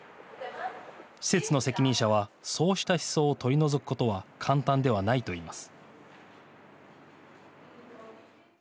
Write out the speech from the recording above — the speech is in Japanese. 施設の責任者はそうした思想を取り除くことは簡単ではないといいます。